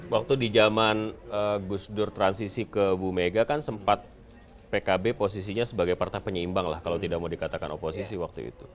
waktu di zaman gus dur transisi ke bu mega kan sempat pkb posisinya sebagai partai penyeimbang lah kalau tidak mau dikatakan oposisi waktu itu